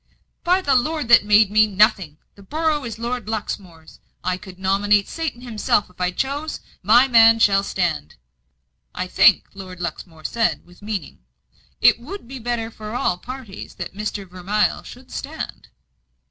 "By the Lord that made me, nothing! The borough is Lord Luxmore's; I could nominate Satan himself if I chose. My man shall stand." "I think," Lord Luxmore said, with meaning, "it would be better for all parties that Mr. Vermilye should stand."